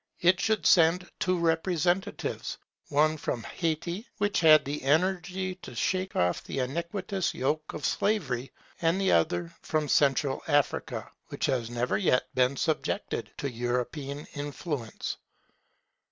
It should send two representatives; one from Hayti, which had the energy to shake off the iniquitous yoke of slavery, and the other from central Africa, which has never yet been subjected to European influence.